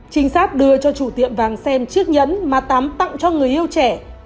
trinh sát đưa cho chủ tiệm vàng xem chiếc nhẫn mà tám tặng cho người yêu trẻ